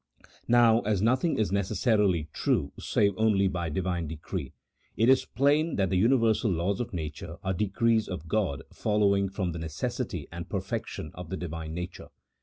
Now, as nothing is necessarily true save only by Divine decree, it is plain that the universal laws of nature are decrees of God follow ing from the necessity and perfection of the Divine nature.